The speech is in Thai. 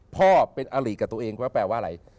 พ่อเป็นอลิกับตัวเองแปลว่าอะไร